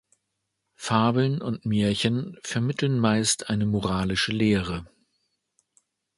Fabeln und Märchen vermitteln meist eine moralische Lehre.